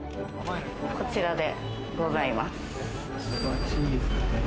こちらでございます。